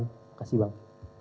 terima kasih bang